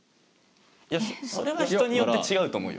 それは人によって違うと思うよ。